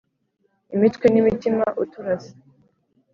imitwe n’imitima uturasa